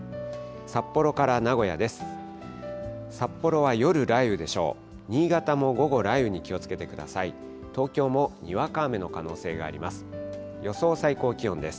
札幌から名古屋です。